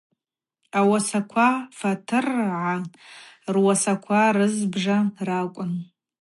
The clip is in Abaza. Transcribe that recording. Ауасаква Фатыргӏа руасаква рызбжа ракӏвын.